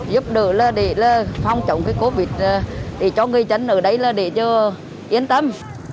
giúp đỡ là để phòng chống cái covid để cho người dân ở đây là để cho yên tâm